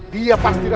dia pasti ratu junti